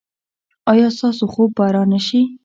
ایا ستاسو خوب به را نه شي؟